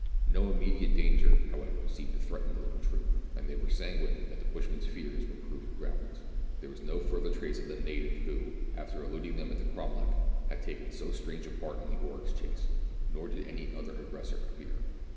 No immediate danger, however, seemed to threaten the little troop, and they were sanguine that the bushman's fears might prove groundless. There was no further trace of the native who, after eluding them at the cromlech, had taken so strange a part in the oryx chase : nor did any other aggressor appear.